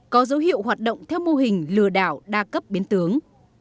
có dấu hiệu hoạt động theo mô hình lừa đảo đa cấp biến tướng